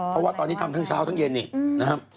เพราะว่าตอนนี้ทำทั้งเช้าทั้งเย็นนี่นะครับ